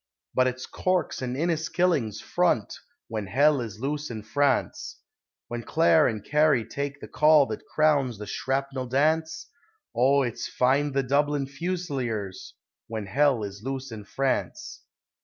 But it's "Corks and Inniskillings Front!" when Hell is loose in France, When Clare and Kerry take the call that crowns the shrapnel dance, O, it's "Find the Dublin Fusiliers!" when Hell is loose in France.